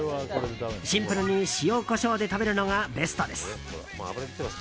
シンプルに塩、コショウで食べるのがベストです。